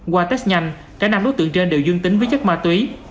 qua test nhanh cả năm đối tượng trên đều dương tính với chất ma túy